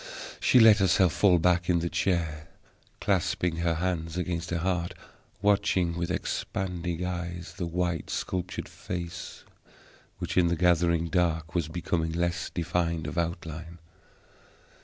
She let herself fall back in the chair, clasping her hands against her heart, watching with expanding eyes the white sculptured face which, in the glittering dark, was becoming less defined of outline.